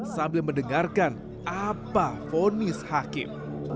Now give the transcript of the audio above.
sambil mendengarkan apa vonis hakim